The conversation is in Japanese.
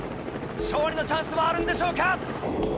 勝利のチャンスはあるんでしょうか？